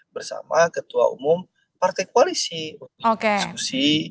bersama ketua umum partai koalisi untuk diskusi